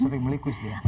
sering melikus ya